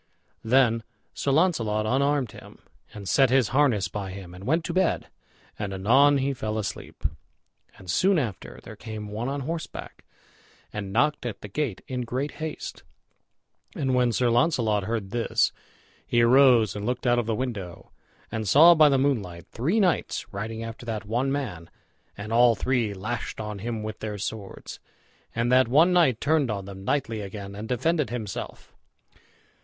Then Sir Launcelot unarmed him, and set his harness by him, and went to bed, and anon he fell asleep. And soon after, there came one on horseback and knocked at the gate in great haste; and when Sir Launcelot heard this, he arose and looked out of the window, and saw by the moonlight three knights riding after that one man, and all three lashed on him with their swords, and that one knight turned on them knightly again and defended himself.